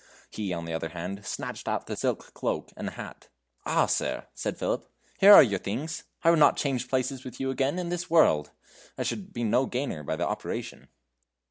He, on the other hand, snatched at the silk cloak and hat. "Ah! sir," said Philip, "here are your things. I would not change places with you again in this world! I should be no gainer by the operation."